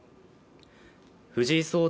藤井聡太